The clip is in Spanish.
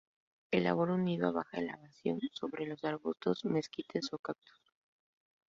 Elabora un nido a baja elevación sobre los arbustos, mezquites o cactus.